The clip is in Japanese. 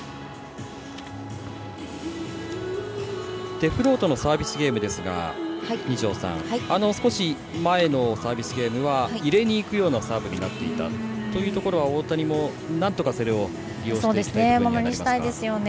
デフロートのサービスゲームですが少し前のサービスゲームは入れにいくようなサーブになっていたというところ大谷も、なんとかそれを利用していきたいですね。